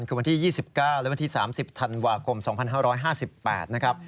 คือวันที่๒๙และวันที่๓๐ธันวาคม๒๕๕๘นะครับ